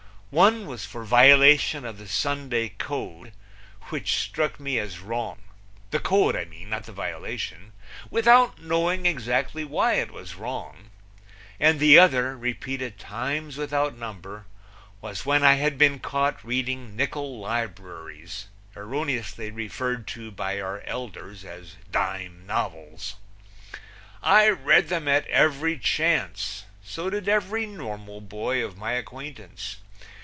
One was for violation of the Sunday code, which struck me as wrong the code, I mean, not the violation without knowing exactly why it was wrong; and the other, repeated times without number, was when I had been caught reading nickul libruries, erroneously referred to by our elders as dime novels. I read them at every chance; so did every normal boy of my acquaintance.